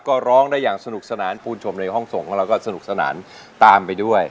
ก็ร้องได้อย่างสนุกสนานปูนชมในห้องส่งของเราก็สนุกสนานตามไปด้วย